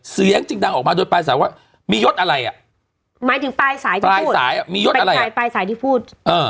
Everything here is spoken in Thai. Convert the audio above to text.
เสียงจึงดังออกมาโดยปลายสายว่ามียศอะไรหมายถึงปลายสายที่พูดปลายสายที่พูด